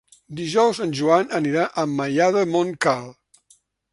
Dijous en Joan anirà a Maià de Montcal.